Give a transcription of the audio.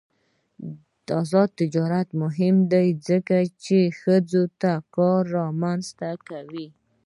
آزاد تجارت مهم دی ځکه چې ښځو ته کار رامنځته کوي.